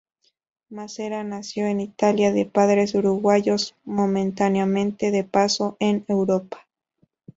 Massera nació en Italia, de padres uruguayos momentáneamente de paso en Europa.